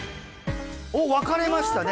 おっ分かれましたね